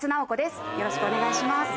よろしくお願いします。